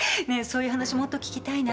そういう話もっと聞きたいな。